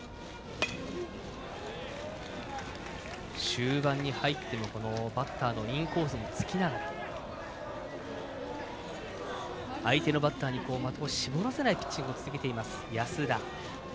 終盤に入ってもバッターのインコースをつきながら相手のバッターに的を絞らせないピッチングを続けています、安田。